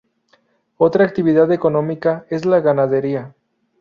Otra actividad económica es la ganadería.